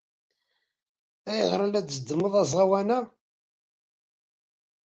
Ayɣer ay la d-tzeddmeḍ aẓawan-a?